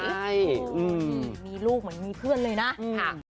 มีลูกเหมือนมีเพื่อนเลยนะ